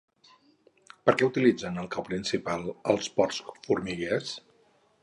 Per què utilitzen el cau principal els porc formiguers?